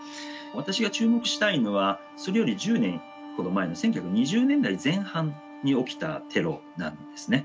私が注目したいのはそれより１０年ほど前の１９２０年代前半に起きたテロなんですね。